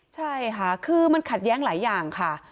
ใช่ค่ะคือมันขัดแย้งหลายอย่างค่ะ